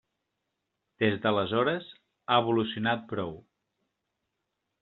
Des d'aleshores ha evolucionat prou.